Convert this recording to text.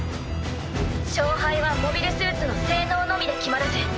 勝敗はモビルスーツの性能のみで決まらず。